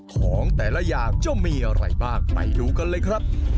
ของแต่ละอย่างจะมีอะไรบ้างไปดูกันเลยครับ